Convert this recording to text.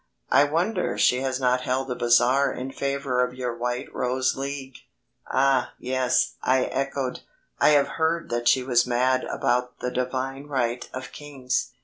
I wonder she has not held a bazaar in favour of your White Rose League." "Ah, yes," I echoed, "I have heard that she was mad about the divine right of kings."